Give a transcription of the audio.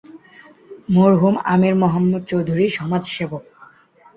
মরহুম আমির মোহাম্মদ চৌধুরীঃ-সমাজ সেবক।